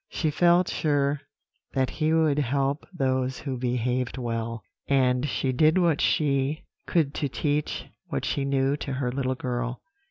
She felt sure that He would help those who behaved well; and she did what she could to teach what she knew to her little girl.